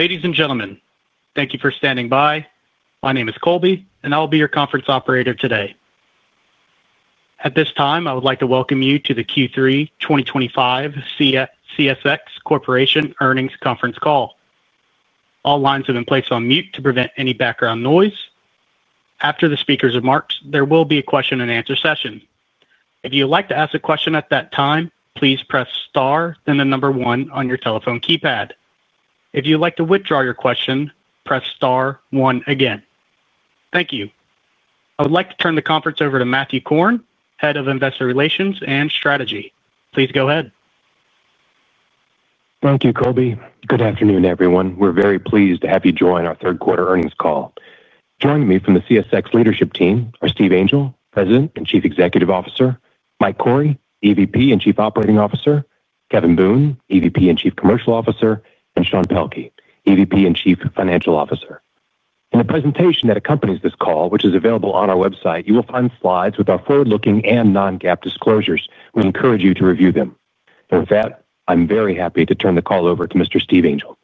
Ladies and gentlemen, thank you for standing by. My name is Colby, and I'll be your conference operator today. At this time, I would like to welcome you to the Q3 2025 CSX Corporation earnings conference call. All lines have been placed on mute to prevent any background noise. After the speakers are marked, there will be a question and answer session. If you would like to ask a question at that time, please press star then the number one on your telephone keypad. If you would like to withdraw your question, press star one again. Thank you. I would like to turn the conference over to Matthew Korn, Head of Investor Relations and Strategy. Please go ahead. Thank you, Colby. Good afternoon, everyone. We're very pleased to have you join our third quarter earnings call. Joining me from the CSX Leadership Team are Steve Angel, President and Chief Executive Officer, Mike Cory, EVP and Chief Operating Officer, Kevin Boone, EVP and Chief Commercial Officer, and Sean Pelkey, EVP and Chief Financial Officer. In the presentation that accompanies this call, which is available on our website, you will find slides with our forward-looking and non-GAAP disclosures. We encourage you to review them. With that, I'm very happy to turn the call over to Mr. Steve Angel.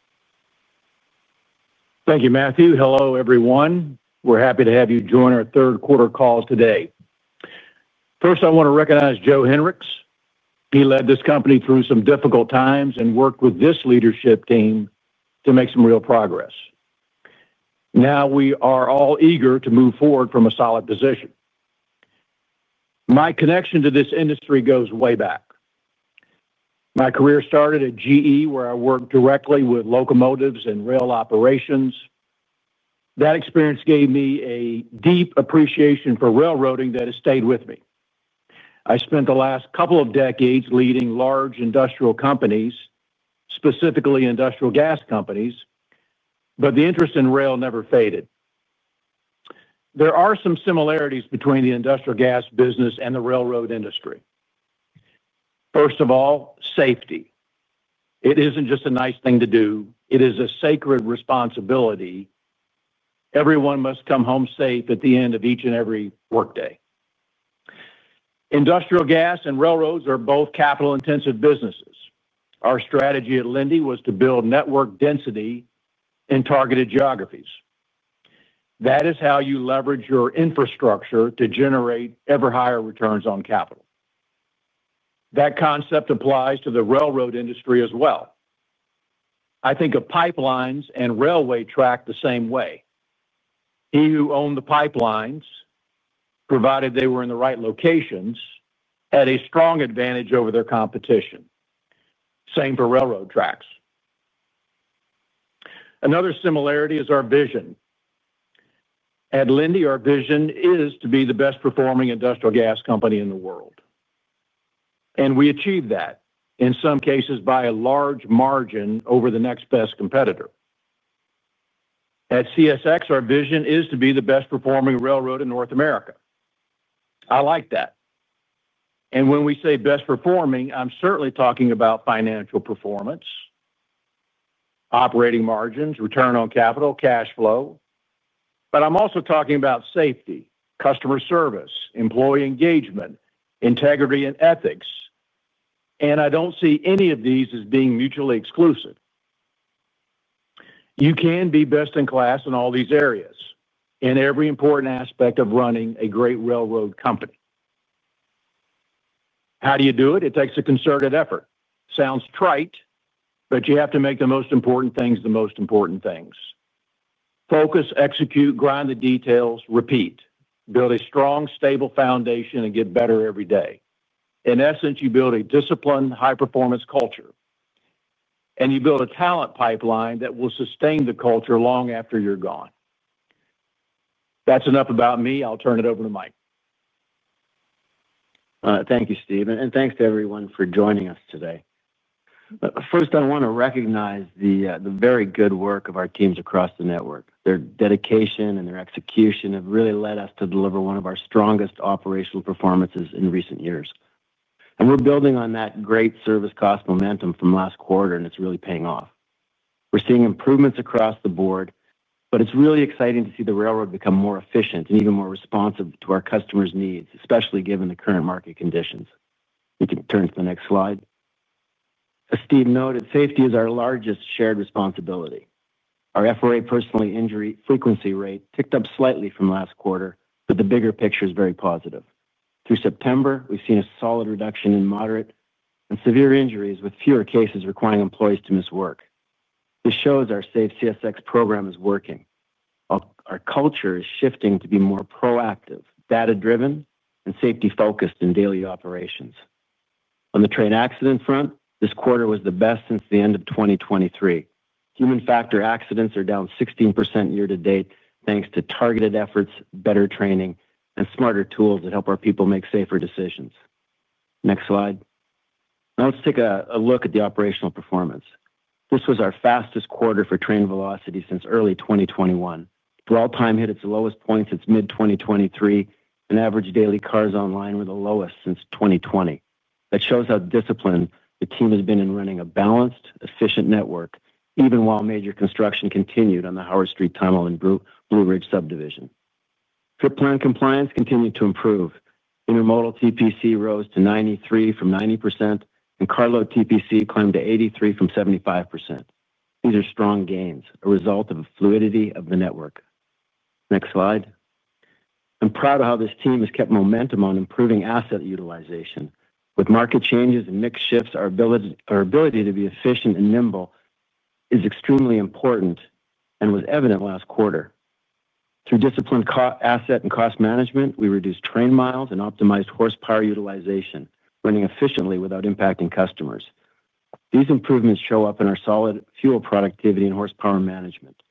Thank you, Matthew. Hello, everyone. We're happy to have you join our third quarter call today. First, I want to recognize Joe Hinrichs. He led this company through some difficult times and worked with this leadership team to make some real progress. Now we are all eager to move forward from a solid position. My connection to this industry goes way back. My career started at GE, where I worked directly with locomotives and rail operations. That experience gave me a deep appreciation for railroading that has stayed with me. I spent the last couple of decades leading large industrial companies, specifically industrial gas companies, but the interest in rail never faded. There are some similarities between the industrial gas business and the railroad industry. First of all, safety. It isn't just a nice thing to do. It is a sacred responsibility. Everyone must come home safe at the end of each and every workday. Industrial gas and railroads are both capital-intensive businesses. Our strategy at Linde was to build network density in targeted geographies. That is how you leverage your infrastructure to generate ever-higher returns on capital. That concept applies to the railroad industry as well. I think of pipelines and railway track the same way. He who owned the pipelines, provided they were in the right locations, had a strong advantage over their competition. Same for railroad tracks. Another similarity is our vision. At Linde, our vision is to be the best-performing industrial gas company in the world. We achieve that, in some cases, by a large margin over the next best competitor. At CSX, our vision is to be the best-performing railroad in North America. I like that. When we say best performing, I'm certainly talking about financial performance, operating margins, return on capital, cash flow. I'm also talking about safety, customer service, employee engagement, integrity, and ethics. I don't see any of these as being mutually exclusive. You can be best in class in all these areas, in every important aspect of running a great railroad company. How do you do it? It takes a concerted effort. Sounds trite, but you have to make the most important things the most important things. Focus, execute, grind the details, repeat. Build a strong, stable foundation and get better every day. In essence, you build a disciplined, high-performance culture. You build a talent pipeline that will sustain the culture long after you're gone. That's enough about me. I'll turn it over to Mike. Thank you, Steve. Thanks to everyone for joining us today. First, I want to recognize the very good work of our teams across the network. Their dedication and their execution have really led us to deliver one of our strongest operational performances in recent years. We're building on that great service cost momentum from last quarter, and it's really paying off. We're seeing improvements across the board. It's really exciting to see the railroad become more efficient and even more responsive to our customers' needs, especially given the current market conditions. We can turn to the next slide. As Steve noted, safety is our largest shared responsibility. Our FRA personal injury frequency rate ticked up slightly from last quarter, but the bigger picture is very positive. Through September, we've seen a solid reduction in moderate and severe injuries, with fewer cases requiring employees to miss work. This shows our safe CSX program is working. Our culture is shifting to be more proactive, data-driven, and safety-focused in daily operations. On the train accident front, this quarter was the best since the end of 2023. Human factor accidents are down 16% year to date, thanks to targeted efforts, better training, and smarter tools that help our people make safer decisions. Next slide. Now let's take a look at the operational performance. This was our fastest quarter for train velocity since early 2021. For all time, hit its lowest points since mid-2023, and average daily cars online were the lowest since 2020. That shows how disciplined the team has been in running a balanced, efficient network, even while major construction continued on the Howard Street Tunnel and Blue Ridge Subdivision. Trip plan compliance continued to improve. Intermodal TPC rose to 93% from 90%, and Carload TPC climbed to 83% from 75%. These are strong gains, a result of the fluidity of the network. Next slide. I'm proud of how this team has kept momentum on improving asset utilization. With market changes and mix shifts, our ability to be efficient and nimble is extremely important and was evident last quarter. Through disciplined asset and cost management, we reduced train miles and optimized horsepower utilization, running efficiently without impacting customers. These improvements show up in our solid fuel productivity and horsepower management.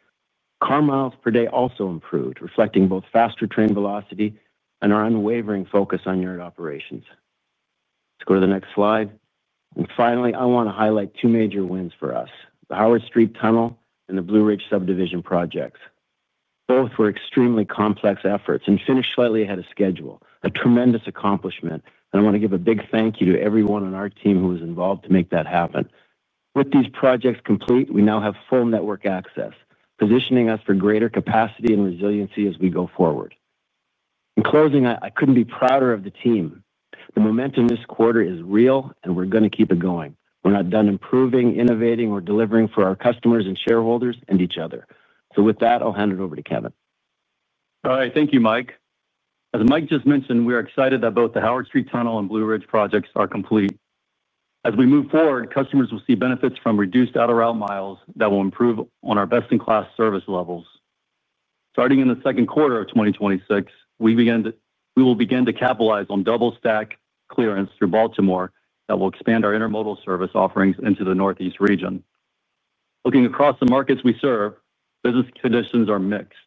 Car miles per day also improved, reflecting both faster train velocity and our unwavering focus on yard operations. Let's go to the next slide. Finally, I want to highlight two major wins for us: the Howard Street Tunnel and the Blue Ridge Subdivision projects. Both were extremely complex efforts and finished slightly ahead of schedule, a tremendous accomplishment. I want to give a big thank you to everyone on our team who was involved to make that happen. With these projects complete, we now have full network access, positioning us for greater capacity and resiliency as we go forward. In closing, I couldn't be prouder of the team. The momentum this quarter is real, and we're going to keep it going. We're not done improving, innovating, or delivering for our customers and shareholders and each other. With that, I'll hand it over to Kevin. All right. Thank you, Mike. As Mike just mentioned, we are excited that both the Howard Street Tunnel and Blue Ridge Subdivision projects are complete. As we move forward, customers will see benefits from reduced out-of-rail miles that will improve on our best-in-class service levels. Starting in the second quarter of 2026, we will begin to capitalize on double-stack clearance through Baltimore that will expand our intermodal service offerings into the Northeast region. Looking across the markets we serve, business conditions are mixed.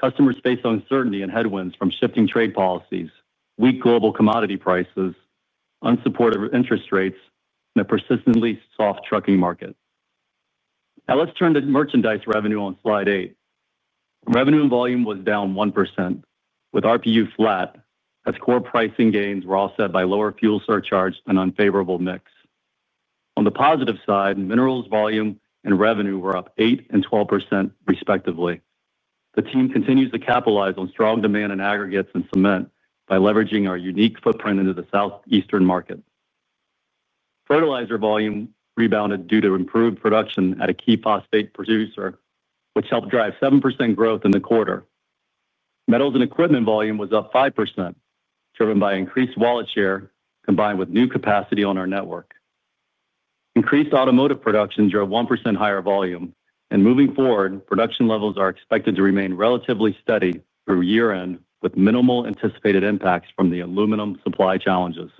Customers face uncertainty and headwinds from shifting trade policies, weak global commodity prices, unsupported interest rates, and a persistently soft trucking market. Now let's turn to merchandise revenue on slide eight. Revenue and volume was down 1%, with RPU flat, as core pricing gains were offset by lower fuel surcharge and unfavorable mix. On the positive side, minerals volume and revenue were up 8% and 12% respectively. The team continues to capitalize on strong demand in aggregates and cement by leveraging our unique footprint into the Southeastern market. Fertilizer volume rebounded due to improved production at a key phosphate producer, which helped drive 7% growth in the quarter. Metals and equipment volume was up 5%, driven by increased wallet share combined with new capacity on our network. Increased automotive production drove 1% higher volume. Moving forward, production levels are expected to remain relatively steady through year-end, with minimal anticipated impacts from the aluminum supply challenges.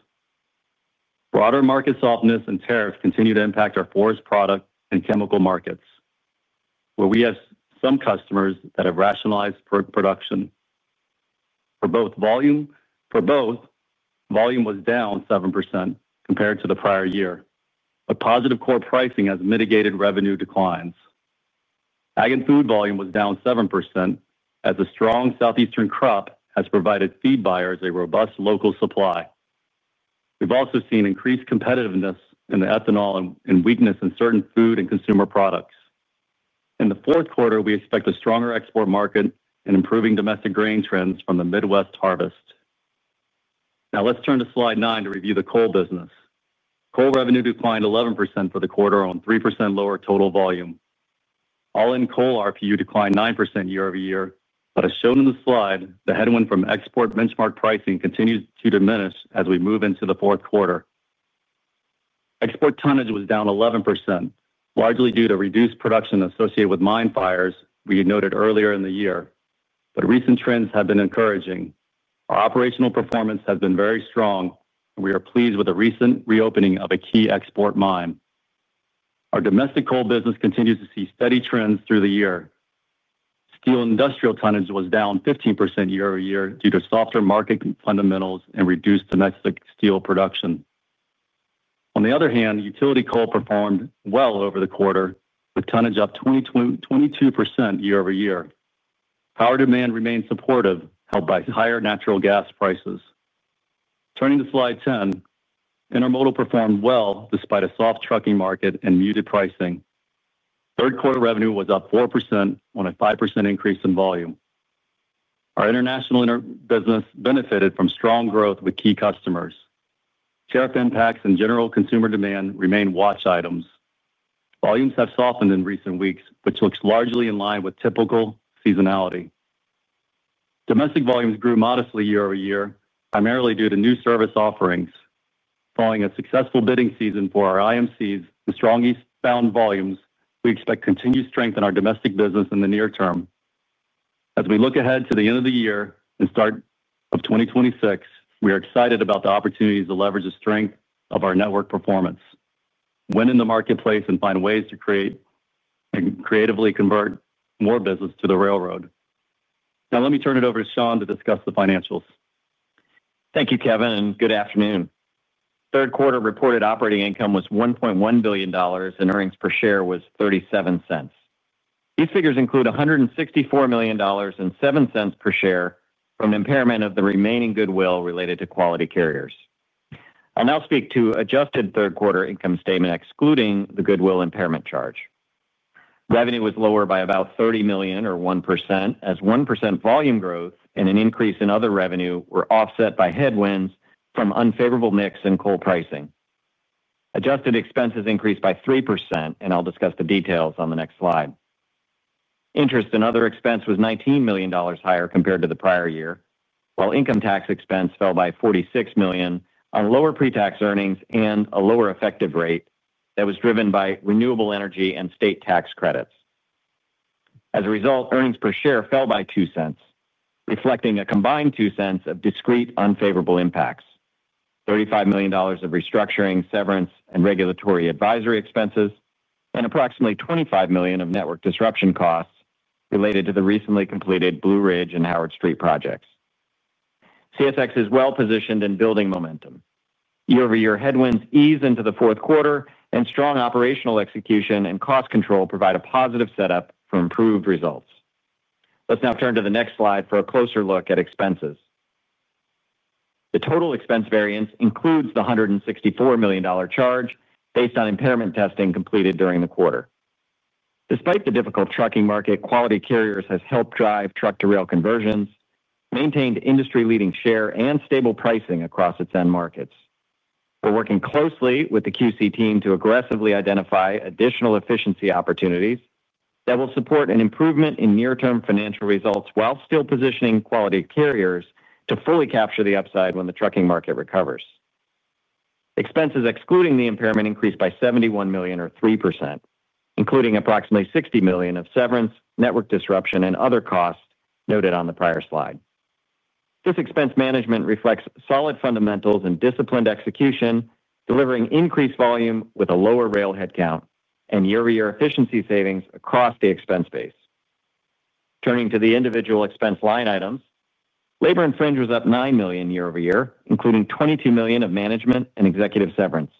Broader market softness and tariffs continue to impact our forest product and chemical markets, where we have some customers that have rationalized production. For both, volume was down 7% compared to the prior year, but positive core pricing has mitigated revenue declines. Ag and food volume was down 7%, as a strong Southeastern crop has provided feed buyers a robust local supply. We've also seen increased competitiveness in the ethanol and weakness in certain food and consumer products. In the fourth quarter, we expect a stronger export market and improving domestic grain trends from the Midwest harvest. Now let's turn to slide nine to review the coal business. Coal revenue declined 11% for the quarter on 3% lower total volume. All-in coal RPU declined 9% year-over-year. As shown in the slide, the headwind from export benchmark pricing continues to diminish as we move into the fourth quarter. Export tonnage was down 11%, largely due to reduced production associated with mine fires we noted earlier in the year. Recent trends have been encouraging. Our operational performance has been very strong, and we are pleased with a recent reopening of a key export mine. Our domestic coal business continues to see steady trends through the year. Steel industrial tonnage was down 15% year-over-year due to softer market fundamentals and reduced domestic steel production. On the other hand, utility coal performed well over the quarter, with tonnage up 22% year-over-year. Power demand remains supportive, helped by higher natural gas prices. Turning to slide 10, intermodal performed well despite a soft trucking market and muted pricing. Third quarter revenue was up 4% on a 5% increase in volume. Our international business benefited from strong growth with key customers. Tariff impacts and general consumer demand remain watch items. Volumes have softened in recent weeks, which looks largely in line with typical seasonality. Domestic volumes grew modestly year-over-year, primarily due to new service offerings. Following a successful bidding season for our IMCs and strong eastbound volumes, we expect continued strength in our domestic business in the near term. As we look ahead to the end of the year and start of 2026, we are excited about the opportunities to leverage the strength of our network performance, win in the marketplace, and find ways to create and creatively convert more business to the railroad. Now let me turn it over to Sean to discuss the financials. Thank you, Kevin, and good afternoon. Third quarter reported operating income was $1.1 billion, and earnings per share was $0.37. These figures include $164 million and $0.07 per share from an impairment of the remaining goodwill related to Quality Carriers. I'll now speak to adjusted third quarter income statement, excluding the goodwill impairment charge. Revenue was lower by about $30 million, or 1%, as 1% volume growth and an increase in other revenue were offset by headwinds from unfavorable mix and coal pricing. Adjusted expenses increased by 3%, and I'll discuss the details on the next slide. Interest and other expense was $19 million higher compared to the prior year, while income tax expense fell by $46 million on lower pre-tax earnings and a lower effective rate that was driven by renewable energy and state tax credits. As a result, earnings per share fell by $0.02, reflecting a combined $0.02 of discrete unfavorable impacts, $35 million of restructuring, severance, and regulatory advisory expenses, and approximately $25 million of network disruption costs related to the recently completed Blue Ridge and Howard Street projects. CSX is well-positioned in building momentum. Year-over-year headwinds ease into the fourth quarter, and strong operational execution and cost control provide a positive setup for improved results. Let's now turn to the next slide for a closer look at expenses. The total expense variance includes the $164 million charge based on impairment testing completed during the quarter. Despite the difficult trucking market, Quality Carriers have helped drive truck-to-rail conversions, maintained industry-leading share, and stable pricing across its end markets. We're working closely with the QC team to aggressively identify additional efficiency opportunities that will support an improvement in near-term financial results while still positioning Quality Carriers to fully capture the upside when the trucking market recovers. Expenses excluding the impairment increased by $71 million, or 3%, including approximately $60 million of severance, network disruption, and other costs noted on the prior slide. This expense management reflects solid fundamentals and disciplined execution, delivering increased volume with a lower rail headcount and year-over-year efficiency savings across the expense base. Turning to the individual expense line items, labor and fringe was up $9 million year-over-year, including $22 million of management and executive severance.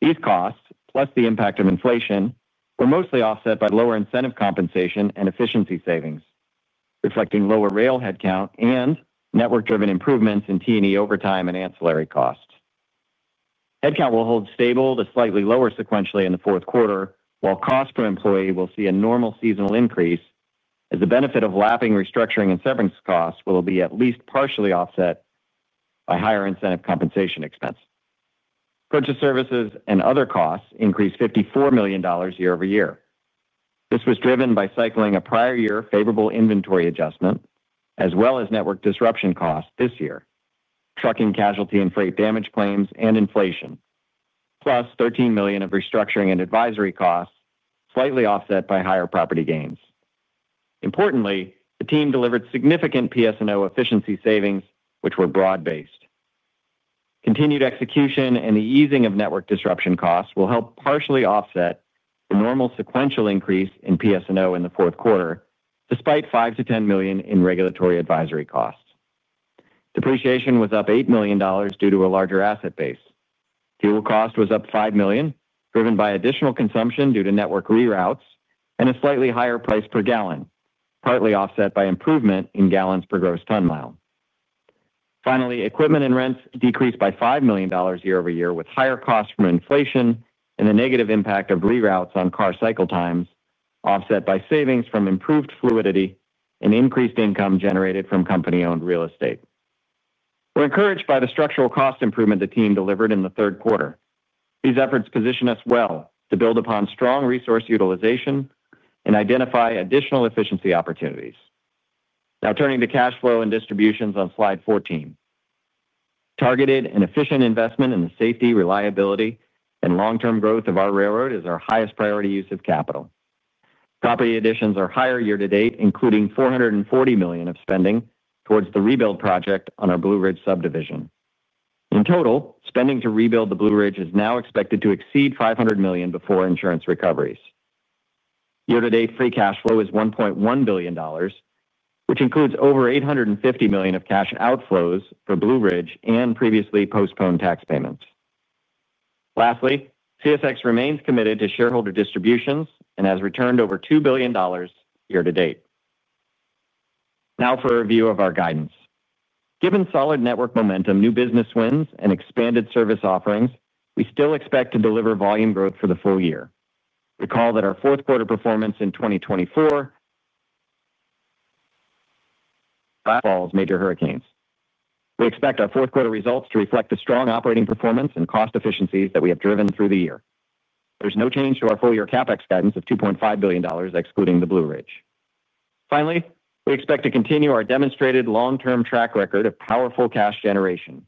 These costs, plus the impact of inflation, were mostly offset by lower incentive compensation and efficiency savings, reflecting lower rail headcount and network-driven improvements in T&E overtime and ancillary costs. Headcount will hold stable to slightly lower sequentially in the fourth quarter, while cost per employee will see a normal seasonal increase, as the benefit of lapping restructuring and severance costs will be at least partially offset by higher incentive compensation expense. Purchase services and other costs increased $54 million year-over-year. This was driven by cycling a prior year favorable inventory adjustment, as well as network disruption costs this year, trucking casualty and freight damage claims, and inflation, +$13 million of restructuring and advisory costs, slightly offset by higher property gains. Importantly, the team delivered significant PS&O efficiency savings, which were broad-based. Continued execution and the easing of network disruption costs will help partially offset the normal sequential increase in PS&O in the fourth quarter, despite $5 million-$10 million in regulatory advisory costs. Depreciation was up $8 million due to a larger asset base. Fuel cost was up $5 million, driven by additional consumption due to network reroutes and a slightly higher price per gallon, partly offset by improvement in gallons per gross ton mile. Finally, equipment and rents decreased by $5 million year-over-year, with higher costs from inflation and the negative impact of reroutes on car cycle times, offset by savings from improved fluidity and increased income generated from company-owned real estate. We're encouraged by the structural cost improvement the team delivered in the third quarter. These efforts position us well to build upon strong resource utilization and identify additional efficiency opportunities. Now turning to cash flow and distributions on slide 14. Targeted and efficient investment in the safety, reliability, and long-term growth of our railroad is our highest priority use of capital. Property additions are higher year to date, including $440 million of spending towards the rebuild project on our Blue Ridge Subdivision. In total, spending to rebuild the Blue Ridge is now expected to exceed $500 million before insurance recoveries. Year to date, free cash flow is $1.1 billion, which includes over $850 million of cash outflows for Blue Ridge and previously postponed tax payments. Lastly, CSX Corporation remains committed to shareholder distributions and has returned over $2 billion year to date. Now for a review of our guidance. Given solid network momentum, new business wins, and expanded service offerings, we still expect to deliver volume growth for the full year. Recall that our fourth quarter performance in 2024 follows major hurricanes. We expect our fourth quarter results to reflect the strong operating performance and cost efficiencies that we have driven through the year. There's no change to our full-year CapEx guidance of $2.5 billion, excluding the Blue Ridge. Finally, we expect to continue our demonstrated long-term track record of powerful cash generation,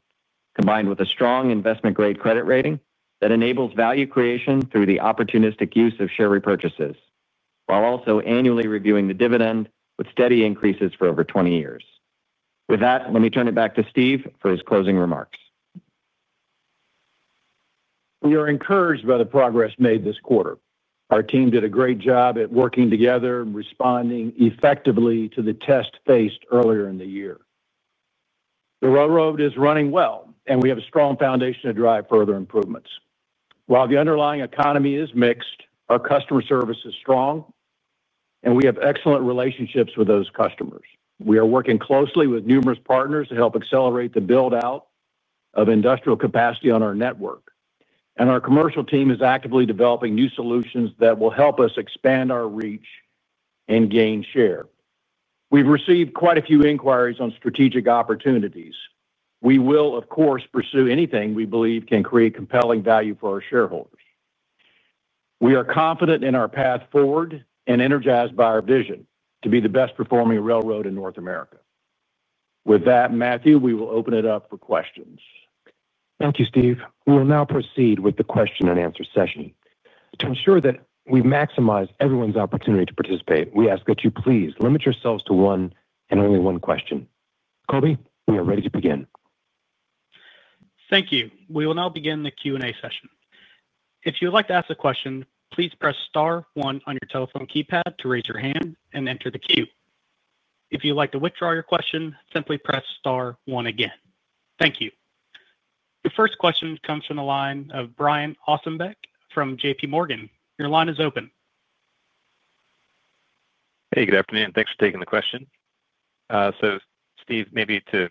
combined with a strong investment-grade credit rating that enables value creation through the opportunistic use of share repurchases, while also annually reviewing the dividend with steady increases for over 20 years. With that, let me turn it back to Steve for his closing remarks. We are encouraged by the progress made this quarter. Our team did a great job at working together and responding effectively to the tests faced earlier in the year. The railroad is running well, and we have a strong foundation to drive further improvements. While the underlying economy is mixed, our customer service is strong, and we have excellent relationships with those customers. We are working closely with numerous partners to help accelerate the build-out of industrial capacity on our network. Our commercial team is actively developing new solutions that will help us expand our reach and gain share. We've received quite a few inquiries on strategic opportunities. We will, of course, pursue anything we believe can create compelling value for our shareholders. We are confident in our path forward and energized by our vision to be the best-performing railroad in North America. With that, Matthew, we will open it up for questions. Thank you, Steve. We will now proceed with the question and answer session. To ensure that we maximize everyone's opportunity to participate, we ask that you please limit yourselves to one and only one question. Colby, we are ready to begin. Thank you. We will now begin the Q&A session. If you would like to ask a question, please press star one on your telephone keypad to raise your hand and enter the queue. If you would like to withdraw your question, simply press star one again. Thank you. The first question comes from the line of Brian Ossenbeck from JPMorgan. Your line is open. Hey, good afternoon. Thanks for taking the question. Steve, maybe to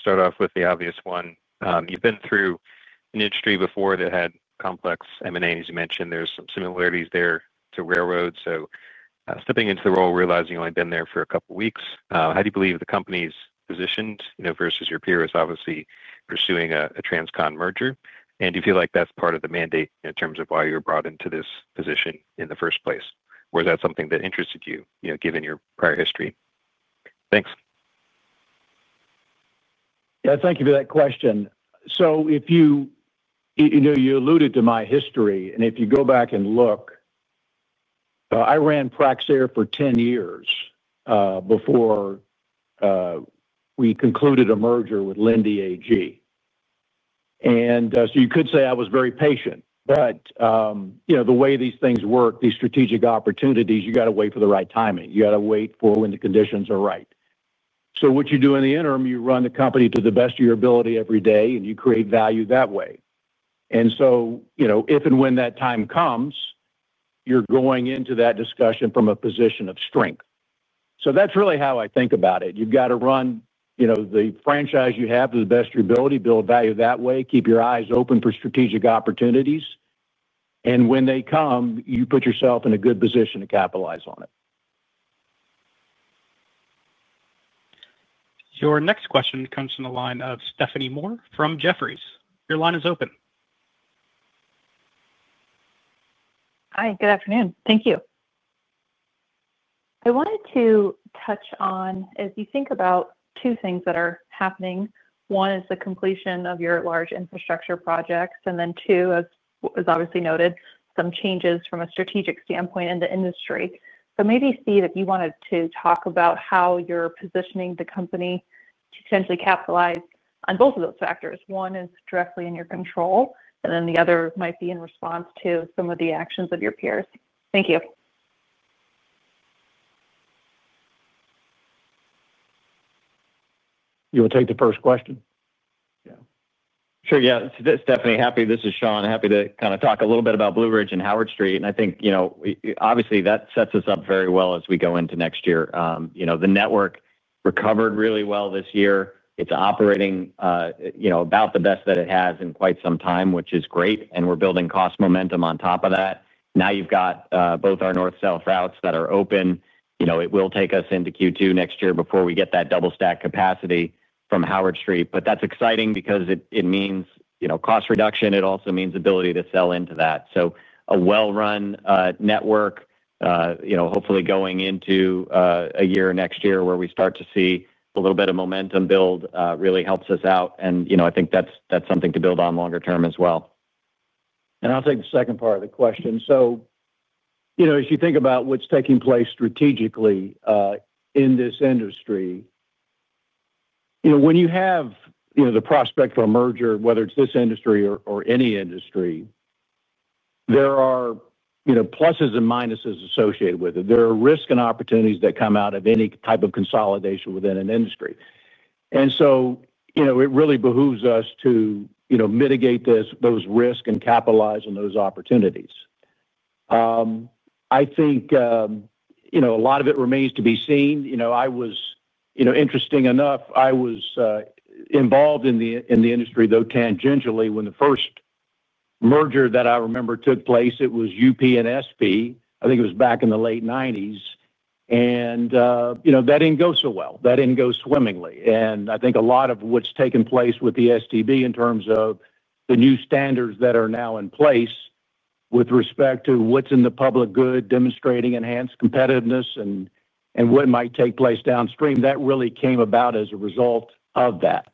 start off with the obvious one, you've been through an industry before that had complex M&A, as you mentioned. There are some similarities there to railroads. Stepping into the role and realizing you've only been there for a couple of weeks, how do you believe the company's position versus your peers obviously pursuing a transcontinental merger? Do you feel like that's part of the mandate in terms of why you were brought into this position in the first place? Is that something that interested you, given your prior history? Thanks. Thank you for that question. If you alluded to my history, and if you go back and look, I ran Praxair for 10 years before we concluded a merger with Linde AG. You could say I was very patient. You know the way these things work, these strategic opportunities, you have to wait for the right timing. You have to wait for when the conditions are right. What you do in the interim, you run the company to the best of your ability every day, and you create value that way. If and when that time comes, you're going into that discussion from a position of strength. That's really how I think about it. You've got to run the franchise you have to the best of your ability, build value that way, keep your eyes open for strategic opportunities. When they come, you put yourself in a good position to capitalize on it. Your next question comes from the line of Stephanie Moore from Jefferies. Your line is open. Hi, good afternoon. Thank you. I wanted to touch on, as you think about two things that are happening, one is the completion of your large infrastructure projects, and then two, as was obviously noted, some changes from a strategic standpoint in the industry. Maybe Steve, if you wanted to talk about how you're positioning the company to potentially capitalize on both of those factors. One is directly in your control, and the other might be in response to some of the actions of your peers. Thank you. You want to take the first question? Yeah. Sure. Yeah. Stephanie, happy. This is Sean. Happy to kind of talk a little bit about Blue Ridge and Howard Street. I think, you know, obviously, that sets us up very well as we go into next year. You know, the network recovered really well this year. It's operating, you know, about the best that it has in quite some time, which is great. We're building cost momentum on top of that. Now you've got both our north-south routes that are open. You know, it will take us into Q2 next year before we get that double-stack capacity from Howard Street. That's exciting because it means, you know, cost reduction. It also means the ability to sell into that. A well-run network, you know, hopefully going into a year next year where we start to see a little bit of momentum build really helps us out. I think that's something to build on longer term as well. I'll take the second part of the question. As you think about what's taking place strategically in this industry, when you have the prospect for a merger, whether it's this industry or any industry, there are pluses and minuses associated with it. There are risks and opportunities that come out of any type of consolidation within an industry. It really behooves us to mitigate those risks and capitalize on those opportunities. I think a lot of it remains to be seen. I was, interestingly enough, involved in the industry, though tangentially, when the first merger that I remember took place. It was UP and SP. I think it was back in the late 1990s. That didn't go so well. That didn't go swimmingly. I think a lot of what's taken place with the STB in terms of the new standards that are now in place with respect to what's in the public good, demonstrating enhanced competitiveness and what might take place downstream, really came about as a result of that.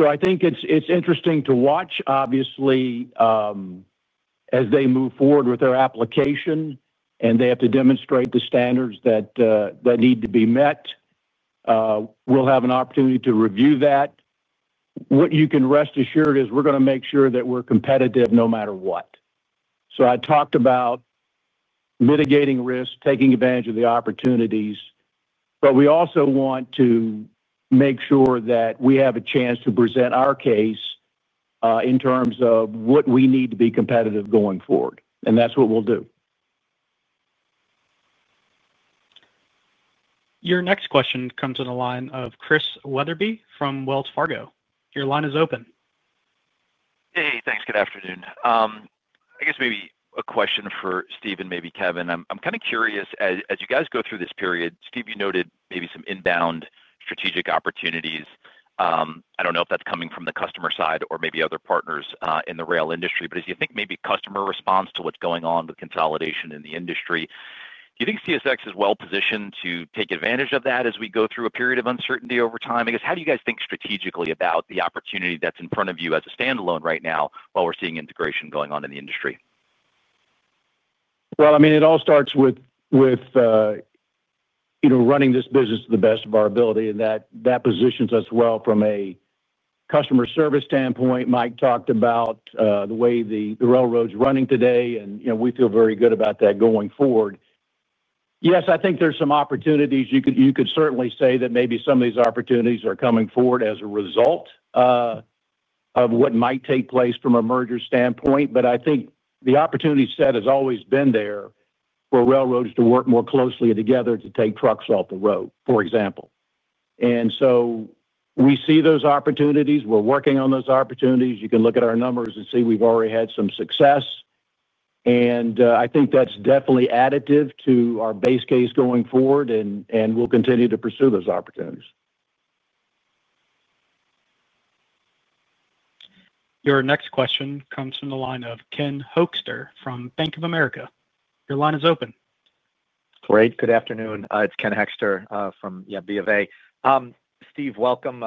I think it's interesting to watch, obviously, as they move forward with their application and they have to demonstrate the standards that need to be met. We'll have an opportunity to review that. What you can rest assured is we're going to make sure that we're competitive no matter what. I talked about mitigating risks, taking advantage of the opportunities. We also want to make sure that we have a chance to present our case in terms of what we need to be competitive going forward. That's what we'll do. Your next question comes from the line of Chris Wetherbee from Wells Fargo. Your line is open. Hey, thanks. Good afternoon. I guess maybe a question for Steve and maybe Kevin. I'm kind of curious, as you guys go through this period, Steve, you noted maybe some inbound strategic opportunities. I don't know if that's coming from the customer side or maybe other partners in the rail industry. As you think maybe customer response to what's going on with consolidation in the industry, do you think CSX is well-positioned to take advantage of that as we go through a period of uncertainty over time? I guess, how do you guys think strategically about the opportunity that's in front of you as a standalone right now while we're seeing integration going on in the industry? It all starts with running this business to the best of our ability, and that positions us well from a customer service standpoint. Mike talked about the way the railroad's running today, and we feel very good about that going forward. I think there's some opportunities. You could certainly say that maybe some of these opportunities are coming forward as a result of what might take place from a merger standpoint. I think the opportunity set has always been there for railroads to work more closely together to take trucks off the road, for example. We see those opportunities. We're working on those opportunities. You can look at our numbers and see we've already had some success. I think that's definitely additive to our base case going forward, and we'll continue to pursue those opportunities. Your next question comes from the line of Ken Hoexter from Bank of America. Your line is open. Great. Good afternoon. It's Ken Hoexter from B of A. Steve, welcome.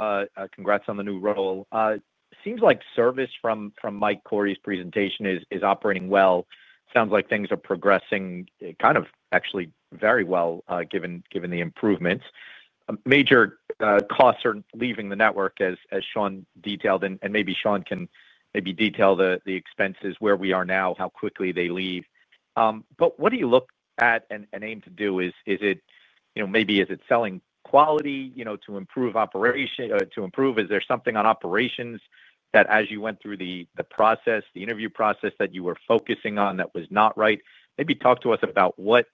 Congrats on the new role. Seems like service from Mike Cory's presentation is operating well. Sounds like things are progressing actually very well, given the improvements. Major costs are leaving the network, as Sean detailed. Maybe Sean can detail the expenses where we are now, how quickly they leave. What do you look at and aim to do? Is it maybe selling quality to improve operations? Is there something on operations that, as you went through the process, the interview process, that you were focusing on that was not right? Maybe talk to us about what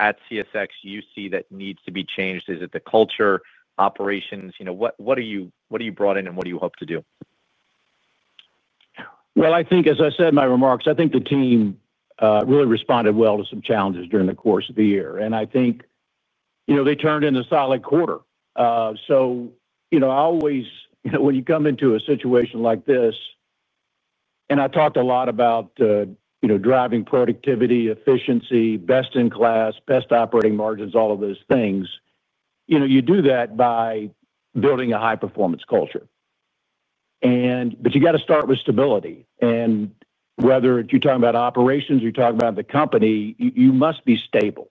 at CSX you see that needs to be changed. Is it the culture, operations? What are you brought in and what do you hope to do? I think, as I said in my remarks, I think the team really responded well to some challenges during the course of the year. I think they turned in a solid quarter. I always, when you come into a situation like this, and I talked a lot about driving productivity, efficiency, best in class, best operating margins, all of those things, you do that by building a high-performance culture. You have to start with stability. Whether you're talking about operations or you're talking about the company, you must be stable.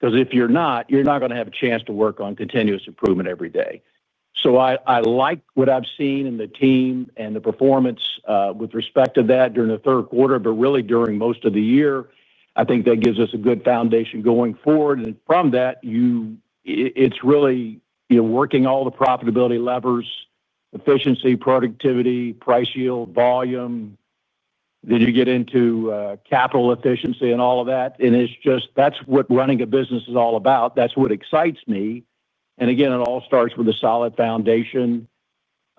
Because if you're not, you're not going to have a chance to work on continuous improvement every day. I like what I've seen in the team and the performance with respect to that during the third quarter, but really during most of the year. I think that gives us a good foundation going forward. From that, it's really working all the profitability levers, efficiency, productivity, price yield, volume. You get into capital efficiency and all of that. That's what running a business is all about. That's what excites me. Again, it all starts with a solid foundation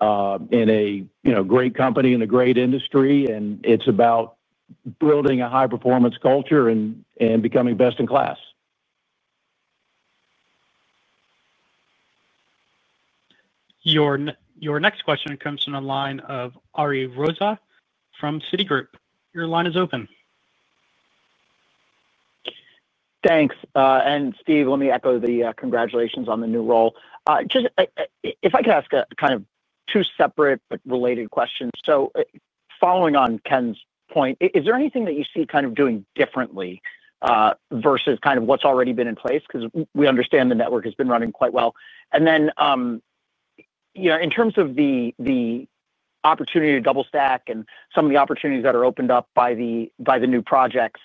in a great company and a great industry. It's about building a high-performance culture and becoming best in class. Your next question comes from the line of Ari Rosa from Citigroup. Your line is open. Thanks. Steve, let me echo the congratulations on the new role. If I could ask a kind of two separate but related questions. Following on Ken's point, is there anything that you see kind of doing differently versus what's already been in place? We understand the network has been running quite well. In terms of the opportunity to double stack and some of the opportunities that are opened up by the new projects,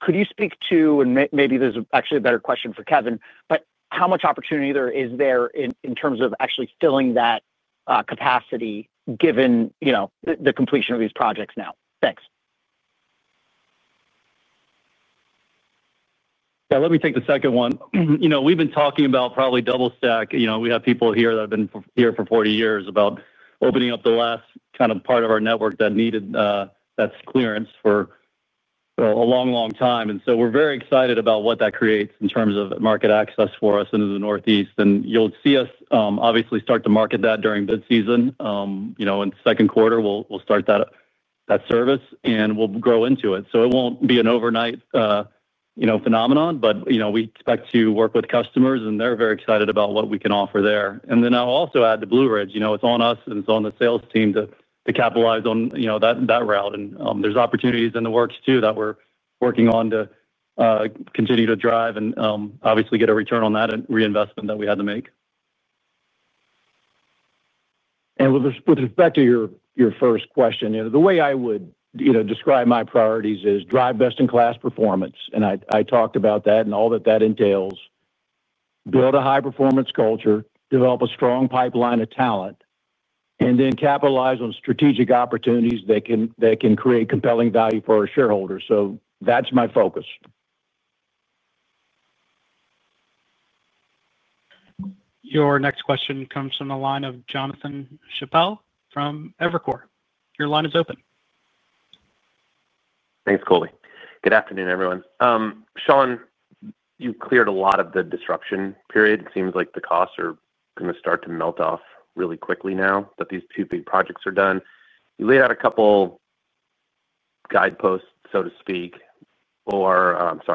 could you speak to, and maybe this is actually a better question for Kevin, how much opportunity is there in terms of actually filling that capacity given the completion of these projects now? Thanks. Yeah, let me take the second one. We've been talking about probably double-stack. We have people here that have been here for 40 years about opening up the last kind of part of our network that needed that clearance for a long, long time. We're very excited about what that creates in terms of market access for us into the Northeast. You'll see us obviously start to market that during bid season. In the second quarter, we'll start that service, and we'll grow into it. It won't be an overnight phenomenon. We expect to work with customers, and they're very excited about what we can offer there. I'll also add the Blue Ridge. It's on us and it's on the sales team to capitalize on that route. There are opportunities in the works too that we're working on to continue to drive and obviously get a return on that reinvestment that we had to make. With respect to your first question, the way I would describe my priorities is drive best-in-class performance. I talked about that and all that that entails. Build a high-performance culture, develop a strong pipeline of talent, and then capitalize on strategic opportunities that can create compelling value for our shareholders. That's my focus. Your next question comes from the line of Jonathan Chappell from Evercore. Your line is open. Thanks, Colby. Good afternoon, everyone. Sean, you cleared a lot of the disruption period. It seems like the costs are going to start to melt off really quickly now that these two big projects are done. You laid out a couple of guideposts,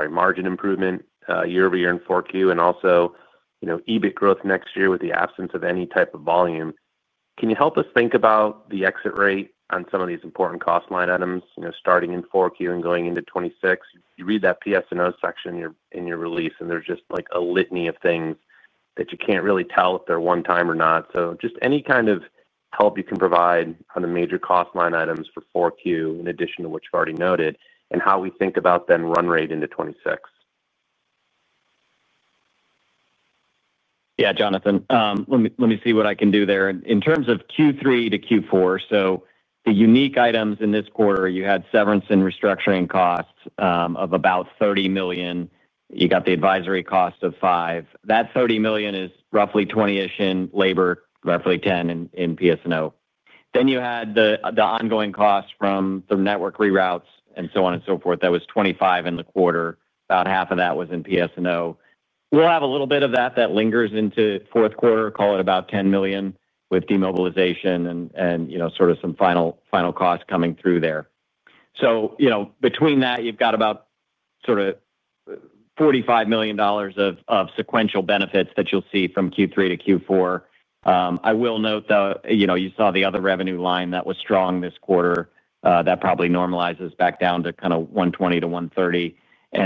margin improvement year-over-year in 4Q and also, you know, EBIT growth next year with the absence of any type of volume. Can you help us think about the exit rate on some of these important cost line items, starting in 4Q and going into 2026? You read that PS&O section in your release, and there's just like a litany of things that you can't really tell if they're one-time or not. Any kind of help you can provide on the major cost line items for 4Q, in addition to what you've already noted, and how we think about the run rate into 2026. Yeah, Jonathan, let me see what I can do there. In terms of Q3-Q4, the unique items in this quarter, you had severance and restructuring costs of about $30 million. You got the advisory cost of $5 million. That $30 million is roughly $20 million in labor, roughly $10 million in PS&O. Then you had the ongoing costs from the network reroutes and so on and so forth. That was $25 million in the quarter. About half of that was in PS&O. We'll have a little bit of that that lingers into the fourth quarter, call it about $10 million with demobilization and some final costs coming through there. Between that, you've got about $45 million of sequential benefits that you'll see from Q3-Q4. I will note, you saw the other revenue line that was strong this quarter that probably normalizes back down to kind of $120 million-$130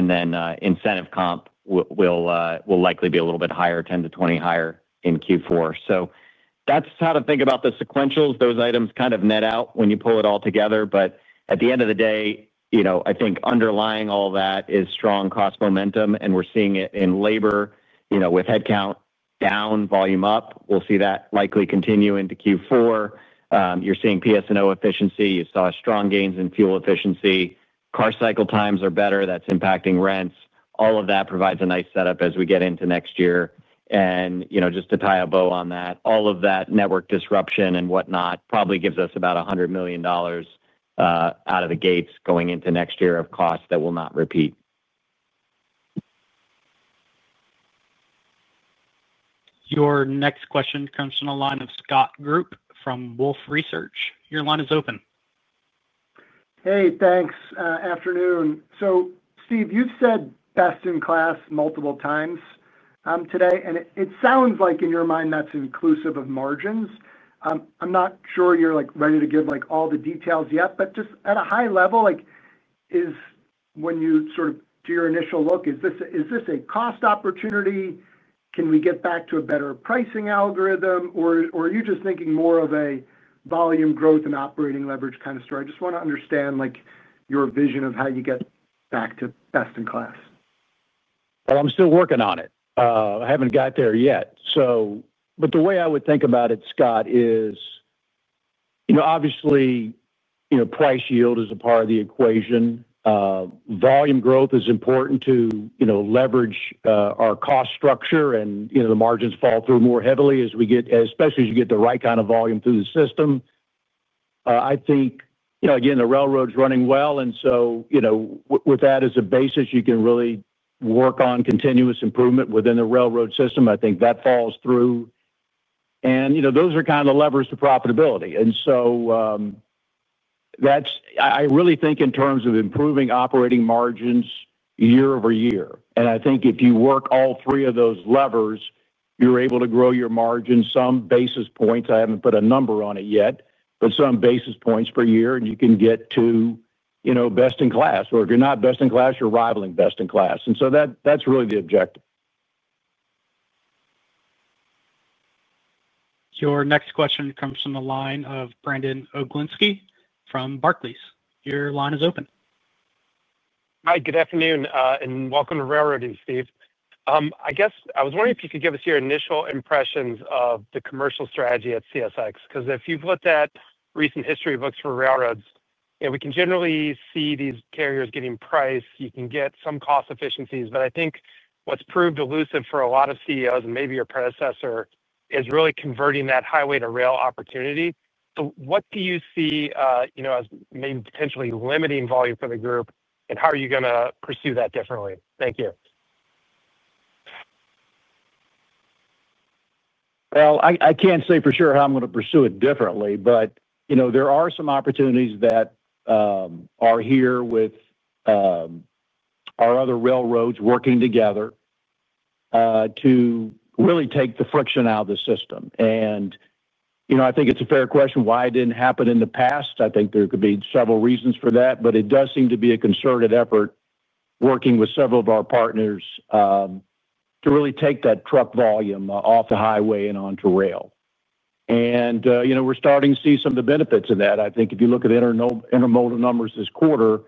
million. Incentive comp will likely be a little bit higher, $10 million-$20 million higher in Q4. That's how to think about the sequentials. Those items kind of net out when you pull it all together. At the end of the day, I think underlying all that is strong cost momentum. We're seeing it in labor, with headcount down, volume up. We'll see that likely continue into Q4. You're seeing PS&O efficiency. You saw strong gains in fuel efficiency. Car cycle times are better. That's impacting rents. All of that provides a nice setup as we get into next year. Just to tie a bow on that, all of that network disruption and whatnot probably gives us about $100 million out of the gates going into next year of costs that will not repeat. Your next question comes from the line of Scott Group from Wolfe Research. Your line is open. Thanks, afternoon. Steve, you've said best in class multiple times today, and it sounds like in your mind that's inclusive of margins. I'm not sure you're ready to give all the details yet, but just at a high level, when you sort of do your initial look, is this a cost opportunity? Can we get back to a better pricing algorithm, or are you just thinking more of a volume growth and operating leverage kind of story? I just want to understand your vision of how you get back to best in class. I haven't got there yet. The way I would think about it, Scott, is you know obviously, price yield is a part of the equation. Volume growth is important to leverage our cost structure, and the margins fall through more heavily as we get, especially as you get the right kind of volume through the system. I think, you know again, the railroad's running well. With that as a basis, you can really work on continuous improvement within the railroad system. I think that falls through, and those are kind of the levers to profitability. I really think in terms of improving operating margins year-over-year. I think if you work all three of those levers, you're able to grow your margin some basis points. I haven't put a number on it yet, but some basis points per year, and you can get to best in class. If you're not best in class, you're rivaling best in class, and that's really the objective. Your next question comes from the line of Brandon Oglenski from Barclays. Your line is open. Hi, good afternoon, and welcome to Railroading, Steve. I guess I was wondering if you could give us your initial impressions of the commercial strategy at CSX. Because if you've looked at recent history books for railroads, you know we can generally see these carriers getting priced. You can get some cost efficiencies. I think what's proved elusive for a lot of CEOs and maybe your predecessor is really converting that highway to rail opportunity. What do you see as maybe potentially limiting volume for the group? How are you going to pursue that differently? Thank you. I can't say for sure how I'm going to pursue it differently. There are some opportunities that are here with our other railroads working together to really take the friction out of the system. I think it's a fair question why it didn't happen in the past. There could be several reasons for that. It does seem to be a concerted effort working with several of our partners to really take that truck volume off the highway and onto rail. We're starting to see some of the benefits of that. If you look at the intermodal numbers this quarter,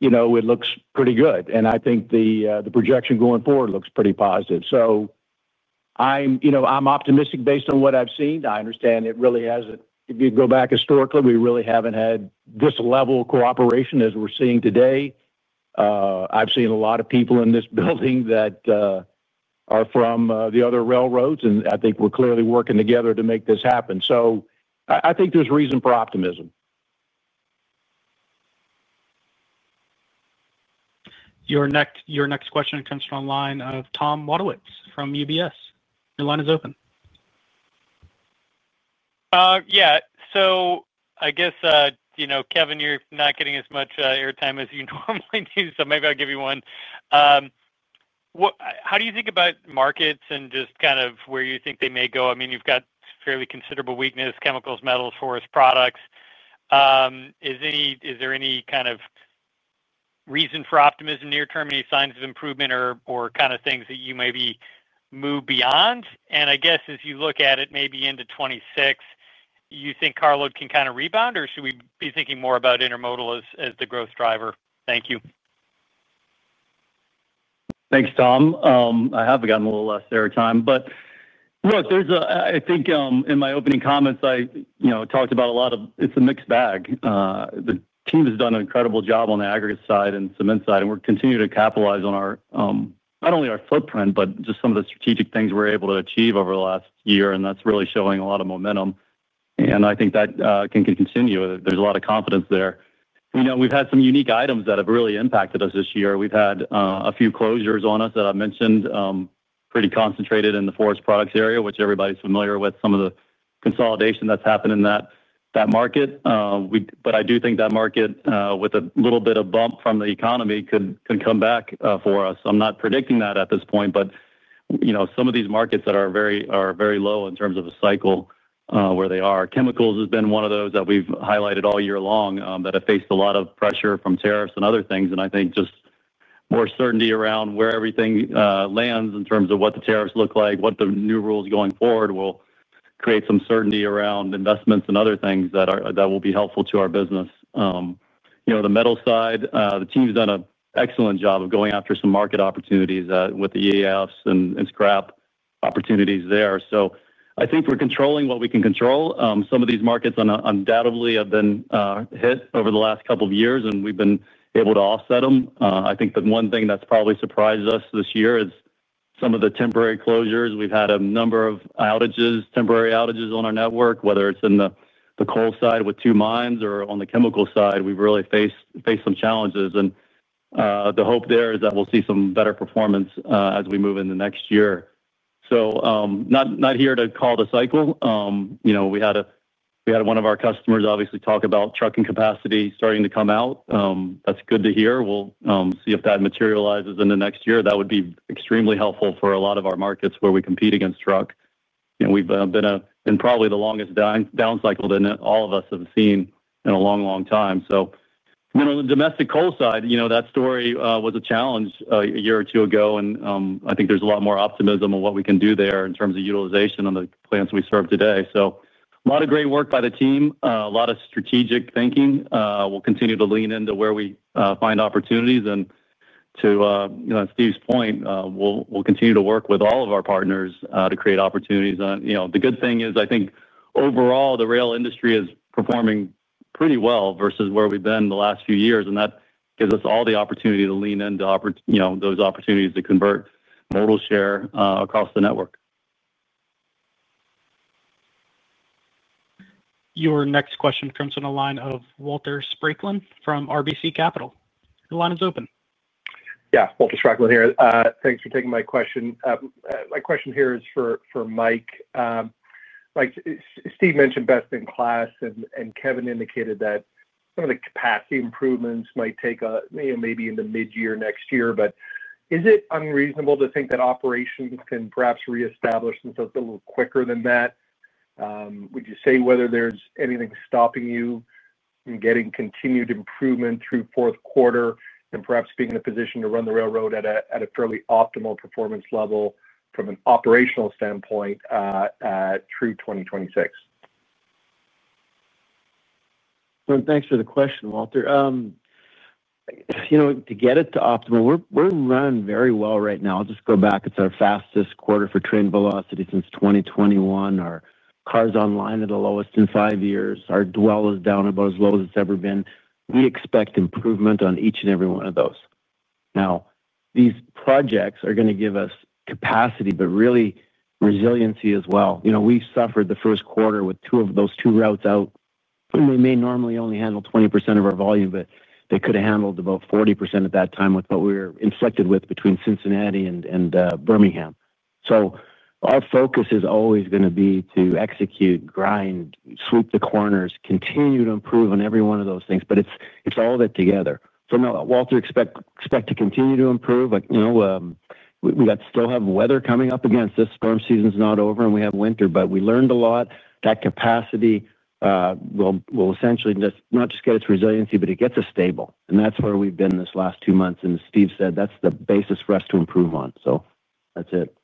it looks pretty good. I think the projection going forward looks pretty positive. I'm optimistic based on what I've seen. I understand it really hasn't, if you go back historically, we really haven't had this level of cooperation as we're seeing today. I've seen a lot of people in this building that are from the other railroads. I think we're clearly working together to make this happen. I think there's reason for optimism. Your next question comes from the line of Tom Wadewitz from UBS. Your line is open. Yeah. I guess, you know, Kevin, you're not getting as much airtime as you normally do. Maybe I'll give you one. How do you think about markets and just kind of where you think they may go? I mean, you've got fairly considerable weakness, chemicals, metals, forest products. Is there any kind of reason for optimism near term? Any signs of improvement or kind of things that you maybe move beyond? I guess as you look at it maybe into 2026, you think carload can kind of rebound? Should we be thinking more about intermodal as the growth driver? Thank you. Thanks, Tom. I have gotten a little less airtime. I think in my opening comments, I talked about a lot of it's a mixed bag. The team has done an incredible job on the aggregate side and cement side. We're continuing to capitalize on not only our footprint, but just some of the strategic things we're able to achieve over the last year. That's really showing a lot of momentum, and I think that can continue. There's a lot of confidence there. We've had some unique items that have really impacted us this year. We've had a few closures on us that I mentioned, pretty concentrated in the forest products area, which everybody's familiar with, some of the consolidation that's happened in that market. I do think that market, with a little bit of bump from the economy, could come back for us. I'm not predicting that at this point. Some of these markets that are very low in terms of a cycle where they are. Chemicals has been one of those that we've highlighted all year long that have faced a lot of pressure from tariffs and other things. I think just more certainty around where everything lands in terms of what the tariffs look like, what the new rules going forward will create some certainty around investments and other things that will be helpful to our business. The metal side, the team's done an excellent job of going after some market opportunities with the EAFs and scrap opportunities there. I think we're controlling what we can control. Some of these markets undoubtedly have been hit over the last couple of years, and we've been able to offset them. I think the one thing that's probably surprised us this year is some of the temporary closures. We've had a number of temporary outages on our network, whether it's in the coal side with two mines or on the chemical side. We've really faced some challenges. The hope there is that we'll see some better performance as we move into next year. Not here to call the cycle. We had one of our customers obviously talk about trucking capacity starting to come out. That's good to hear. We'll see if that materializes in the next year. That would be extremely helpful for a lot of our markets where we compete against truck. We've been in probably the longest down cycle that all of us have seen in a long, long time. On the domestic coal side, that story was a challenge a year or two ago. There is a lot more optimism on what we can do there in terms of utilization on the plants we serve today. A lot of great work by the team, a lot of strategic thinking. We will continue to lean into where we find opportunities. To Steve's point, we will continue to work with all of our partners to create opportunities. The good thing is I think overall the rail industry is performing pretty well versus where we have been the last few years. That gives us all the opportunity to lean into those opportunities to convert modal share across the network. Your next question comes from the line of Walter Spracklin from RBC Capital. Your line is open. Yeah, Walter Spraklin here. Thanks for taking my question. My question here is for Mike. Mike, Steve mentioned best in class. Kevin indicated that some of the capacity improvements might take maybe in the mid-year next year. Is it unreasonable to think that operations can perhaps reestablish themselves a little quicker than that? Would you say whether there's anything stopping you from getting continued improvement through fourth quarter and perhaps being in a position to run the railroad at a fairly optimal performance level from an operational standpoint through 2026? Thank you for the question, Walter. You know to get it to optimal, we're running very well right now. I'll just go back. It's our fastest quarter for train velocity since 2021. Our cars online are the lowest in five years. Our dwell is down about as low as it's ever been. We expect improvement on each and every one of those. Now, these projects are going to give us capacity, but really resiliency as well. You know we suffered the first quarter with two of those two routes out. They may normally only handle 20% of our volume, but they could have handled about 40% at that time with what we were inflicted with between Cincinnati and Birmingham. Our focus is always going to be to execute, grind, sweep the corners, continue to improve on every one of those things. It's all of it together. Walter, expect to continue to improve. You know we still have weather coming up against us. Storm season's not over, and we have winter. We learned a lot. That capacity will essentially not just get its resiliency, but it gets us stable. That's where we've been this last two months. As Steve said, that's the basis for us to improve on. That's it.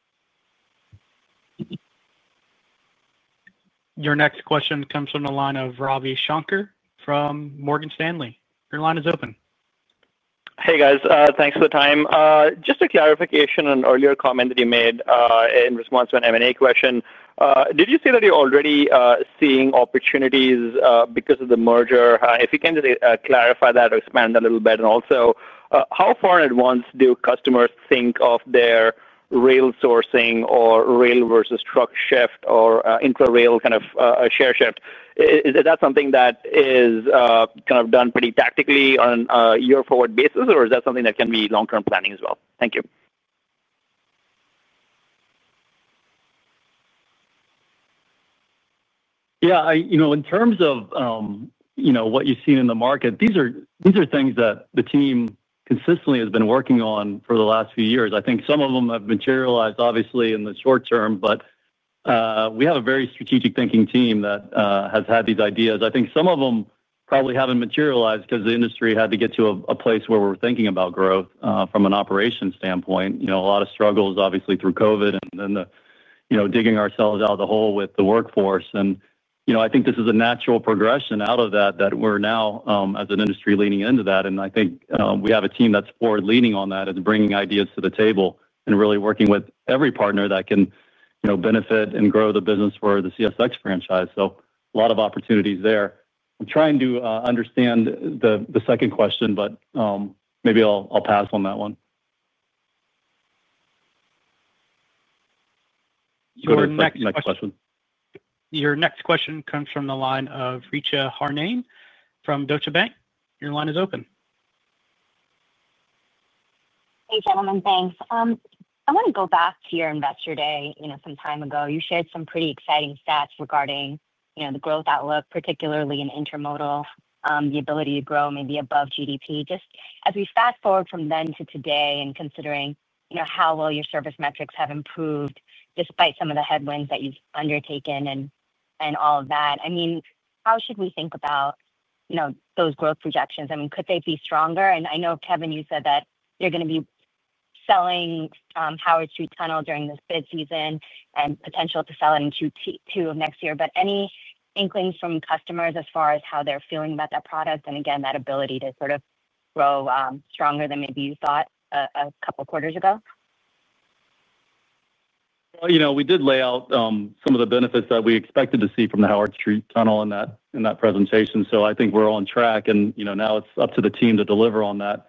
Your next question comes from the line of Ravi Shanker from Morgan Stanley. Your line is open. Hey, guys. Thanks for the time. Just a clarification on an earlier comment that you made in response to an M&A question. Did you say that you're already seeing opportunities because of the merger? If you can just clarify that or expand a little bit. Also, how far in advance do customers think of their rail sourcing or rail versus truck shift or intra-rail kind of share shift? Is that something that is kind of done pretty tactically on a year-forward basis? Is that something that can be long-term planning as well? Thank you. Yeah, in terms of what you've seen in the market, these are things that the team consistently has been working on for the last few years. I think some of them have materialized, obviously, in the short term. We have a very strategic thinking team that has had these ideas. I think some of them probably haven't materialized because the industry had to get to a place where we're thinking about growth from an operations standpoint. There were a lot of struggles, obviously, through COVID and then digging ourselves out of the hole with the workforce. I think this is a natural progression out of that, that we're now as an industry leaning into that. I think we have a team that's forward-leaning on that. It's bringing ideas to the table and really working with every partner that can benefit and grow the business for the CSX franchise. There are a lot of opportunities there. I'm trying to understand the second question, but maybe I'll pass on that one. Your next question comes from the line of Richa Harnain from Deutsche Bank. Your line is open. Hey, gentlemen. Thanks. I want to go back to your Investor Day some time ago. You shared some pretty exciting stats regarding the growth outlook, particularly in intermodal, the ability to grow maybe above GDP. Just as we fast forward from then to today and considering how well your service metrics have improved despite some of the headwinds that you've undertaken, how should we think about those growth projections? Could they be stronger? I know, Kevin, you said that you're going to be selling Howard Street Tunnel during this bid season and potentially to sell it in Q2 of next year. Any inklings from customers as far as how they're feeling about that product and, again, that ability to sort of grow stronger than maybe you thought a couple of quarters ago? We did lay out some of the benefits that we expected to see from the Howard Street Tunnel in that presentation. I think we're on track. Now it's up to the team to deliver on that.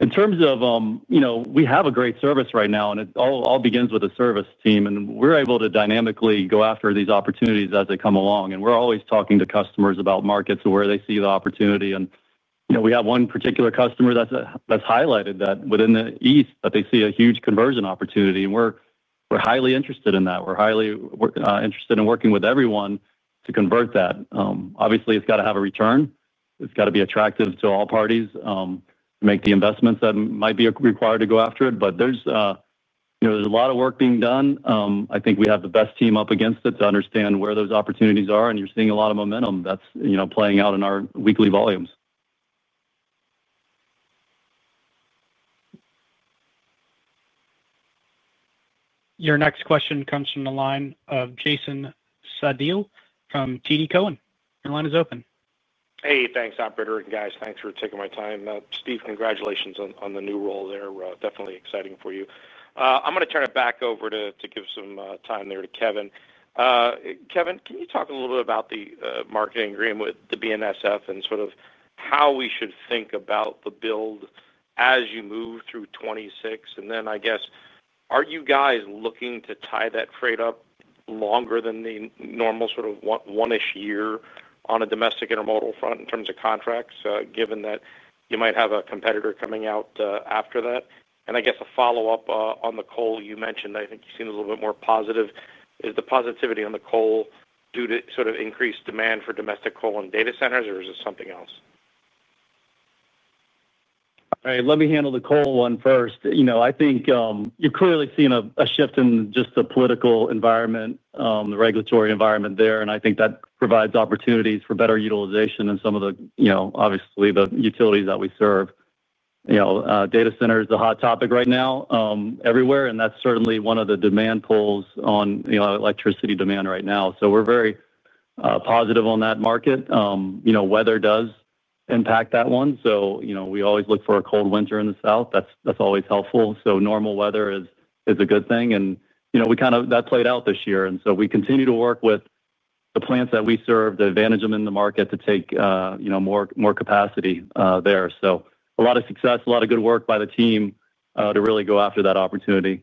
In terms of, you know, we have a great service right now. It all begins with a service team, and we're able to dynamically go after these opportunities as they come along. We're always talking to customers about markets and where they see the opportunity. We have one particular customer that's highlighted that within the east, they see a huge conversion opportunity. We're highly interested in that. We're highly interested in working with everyone to convert that. Obviously, it's got to have a return. It's got to be attractive to all parties to make the investments that might be required to go after it. There's a lot of work being done. I think we have the best team up against it to understand where those opportunities are. You're seeing a lot of momentum that's playing out in our weekly volumes. Your next question comes from the line of Jason Seidl from TD Cowen. Your line is open. Hey, thanks, operator. Guys, thanks for taking my time. Steve, congratulations on the new role there. Definitely exciting for you. I'm going to turn it back over to give some time there to Kevin. Kevin, can you talk a little bit about the marketing agreement with the BNSF and sort of how we should think about the build as you move through 2026? I guess, are you guys looking to tie that freight up longer than the normal sort of one-ish year on a domestic intermodal front in terms of contracts, given that you might have a competitor coming out after that? I guess a follow-up on the coal you mentioned, I think you seemed a little bit more positive. Is the positivity on the coal due to sort of increased demand for domestic coal and data centers, or is it something else? All right, let me handle the coal one first. I think you're clearly seeing a shift in just the political environment, the regulatory environment there. I think that provides opportunities for better utilization in some of the, obviously, the utilities that we serve. Data centers are a hot topic right now everywhere. That's certainly one of the demand pulls on electricity demand right now. We're very positive on that market. Weather does impact that one. We always look for a cold winter in the South. That's always helpful. Normal weather is a good thing. That played out this year. We continue to work with the plants that we serve to advantage them in the market to take more capacity there. A lot of success, a lot of good work by the team to really go after that opportunity.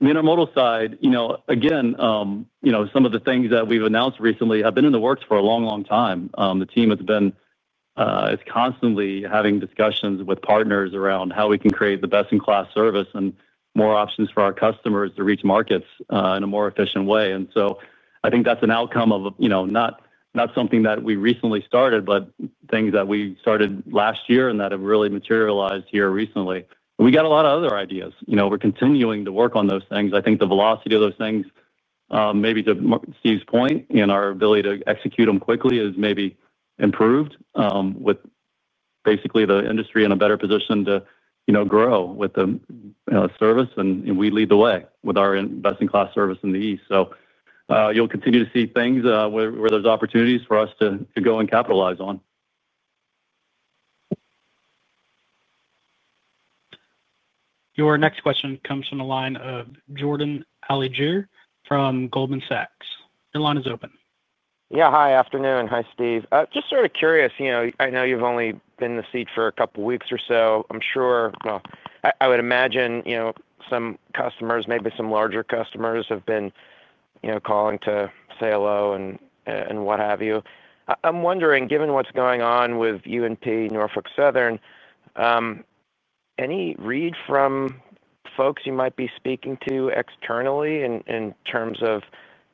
The intermodal side, again, some of the things that we've announced recently have been in the works for a long, long time. The team has been constantly having discussions with partners around how we can create the best-in-class service and more options for our customers to reach markets in a more efficient way. I think that's an outcome of not something that we recently started, but things that we started last year and that have really materialized here recently. We got a lot of other ideas. We're continuing to work on those things. I think the velocity of those things, maybe to Steve's point, and our ability to execute them quickly is maybe improved with basically the industry in a better position to grow with the service. We lead the way with our best-in-class service in the East. You'll continue to see things where there's opportunities for us to go and capitalize on. Your next question comes from the line of Jordan Alliger from Goldman Sachs. Your line is open. Yeah, hi, afternoon. Hi, Steve. Just sort of curious, I know you've only been in the seat for a couple of weeks or so. I'm sure, I would imagine, some customers, maybe some larger customers have been calling to say hello and what have you. I'm wondering, given what's going on with UNP, Norfolk Southern, any read from folks you might be speaking to externally in terms of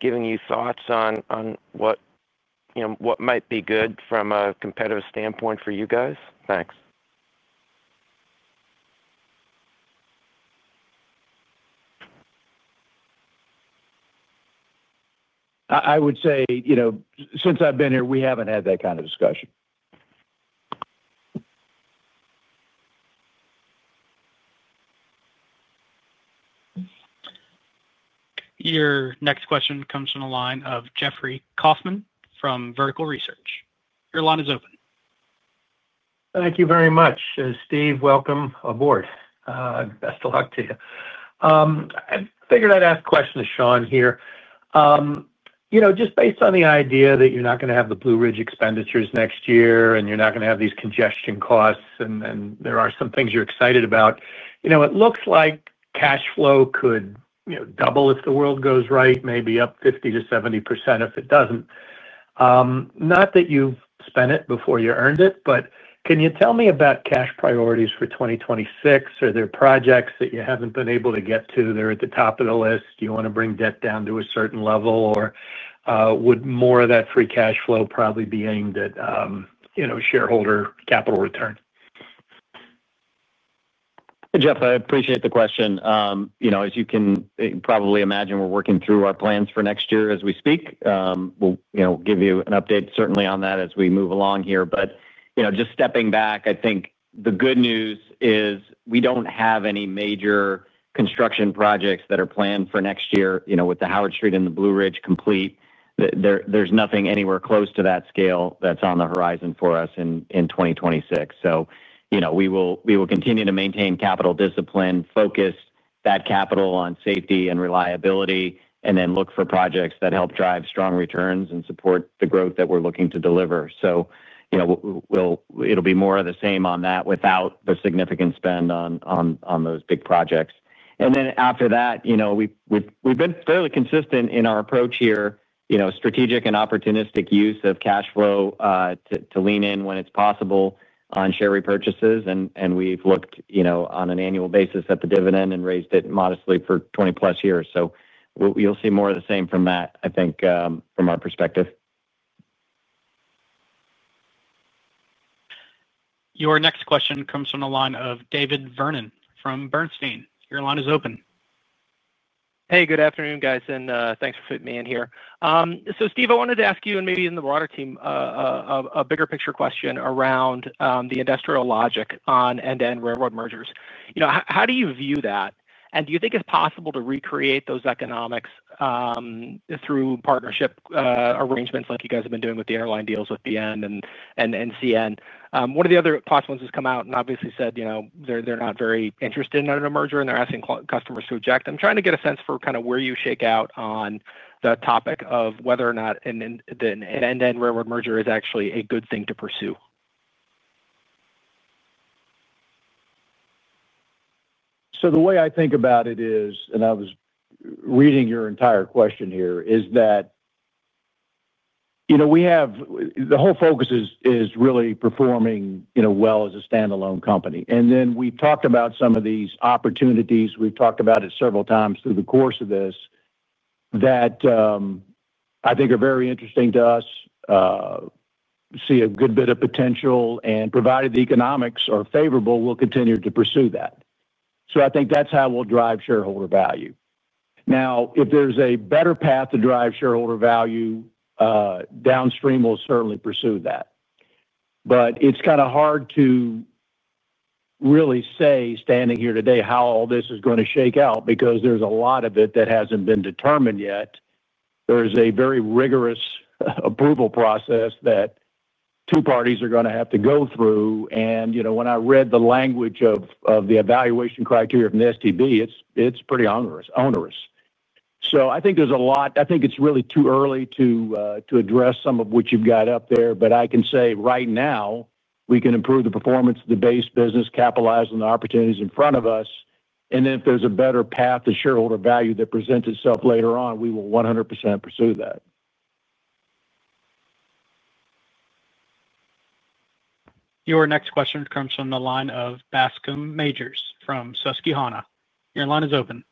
giving you thoughts on what might be good from a competitive standpoint for you guys? Thanks. I would say since I've been here, we haven't had that kind of discussion. Your next question comes from the line of Jeffrey Kauffman from Vertical Research. Your line is open. Thank you very much. Steve, welcome aboard. Best of luck to you. I figured I'd ask a question to Sean here. Just based on the idea that you're not going to have the Blue Ridge expenditures next year and you're not going to have these congestion costs and there are some things you're excited about, it looks like cash flow could double if the world goes right, maybe up 50%-70% if it doesn't. Not that you've spent it before you earned it, but can you tell me about cash priorities for 2026? Are there projects that you haven't been able to get to that are at the top of the list? Do you want to bring debt down to a certain level? Would more of that free cash flow probably be aimed at shareholder capital return? Jeff, I appreciate the question. As you can probably imagine, we're working through our plans for next year as we speak. We'll give you an update certainly on that as we move along here. Just stepping back, I think the good news is we don't have any major construction projects that are planned for next year, with the Howard Street Tunnel and the Blue Ridge Subdivision complete. There's nothing anywhere close to that scale that's on the horizon for us in 2026. We will continue to maintain capital discipline, focus that capital on safety and reliability, and then look for projects that help drive strong returns and support the growth that we're looking to deliver. It'll be more of the same on that without the significant spend on those big projects. After that, we've been fairly consistent in our approach here, strategic and opportunistic use of cash flow to lean in when it's possible on share repurchases. We've looked on an annual basis at the dividend and raised it modestly for 20+ years. You'll see more of the same from that, I think, from our perspective. Your next question comes from the line of David Vernon from Bernstein. Your line is open. Good afternoon, guys. Thanks for fitting me in here. Steve, I wanted to ask you, and maybe the broader team, a bigger picture question around the industrial logic on end-to-end railroad mergers. How do you view that? Do you think it's possible to recreate those economics through partnership arrangements like you guys have been doing with the airline deals with BN and NCN? One of the other possibilities that's come out has obviously said they're not very interested in another merger and they're asking customers to object. I'm trying to get a sense for where you shake out on the topic of whether or not an end-to-end railroad merger is actually a good thing to pursue. The way I think about it is, and I was reading your entire question here, is that we have the whole focus really performing well as a standalone company. We have talked about some of these opportunities, we've talked about it several times through the course of this, that I think are very interesting to us, see a good bit of potential. Provided the economics are favorable, we'll continue to pursue that. I think that's how we'll drive shareholder value. If there's a better path to drive shareholder value downstream, we'll certainly pursue that. It's kind of hard to really say, standing here today, how all this is going to shake out because a lot of it hasn't been determined yet. There is a very rigorous approval process that two parties are going to have to go through. When I read the language of the evaluation criteria from the STB, it's pretty onerous. I think there's a lot. I think it's really too early to address some of what you've got up there. I can say right now, we can improve the performance of the base business, capitalize on the opportunities in front of us. If there's a better path to shareholder value that presents itself later on, we will 100% pursue that. Your next question comes from the line of Bascome Majors from Susquehanna. Your line is open.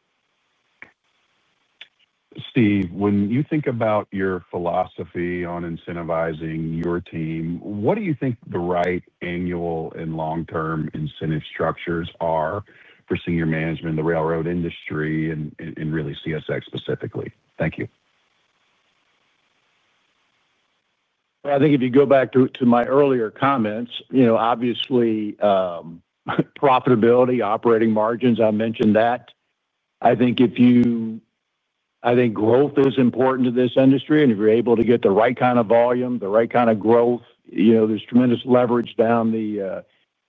Steve, when you think about your philosophy on incentivizing your team, what do you think the right annual and long-term incentive structures are for senior management in the railroad industry and really CSX specifically? Thank you. If you go back to my earlier comments, obviously, profitability and operating margins, I mentioned that. I think growth is important to this industry, and if you're able to get the right kind of volume, the right kind of growth, there's tremendous leverage down the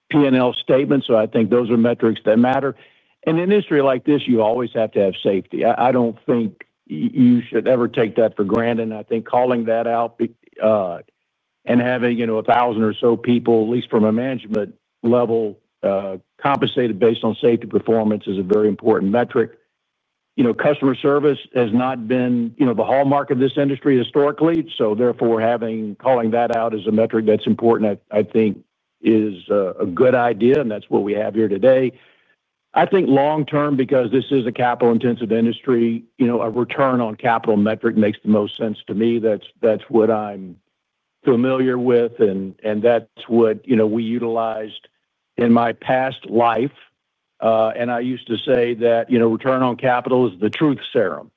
P&L statement. I think those are metrics that matter. In an industry like this, you always have to have safety. I don't think you should ever take that for granted. Calling that out and having 1,000 or so people, at least from a management level, compensated based on safety performance is a very important metric. Customer service has not been the hallmark of this industry historically. Therefore, calling that out as a metric that's important is a good idea, and that's what we have here today. I think long term, because this is a capital-intensive industry, a return on capital metric makes the most sense to me. That's what I'm familiar with, and that's what we utilized in my past life. I used to say that return on capital is the truth serum.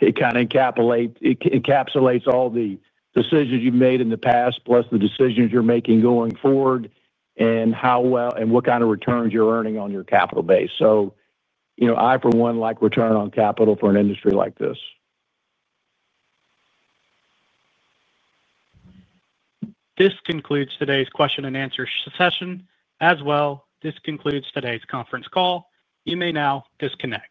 It kind of encapsulates all the decisions you've made in the past, plus the decisions you're making going forward and how well and what kind of returns you're earning on your capital base. I, for one, like return on capital for an industry like this. This concludes today's question and answer session as well. This concludes today's conference call. You may now disconnect.